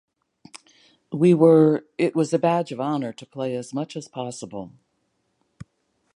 We were-it was a badge of honour to play as much as possible.